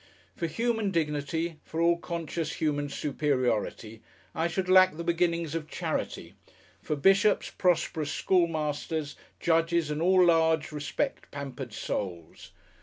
For human dignity, for all conscious human superiority I should lack the beginnings of charity, for bishops, prosperous schoolmasters, judges and all large respect pampered souls.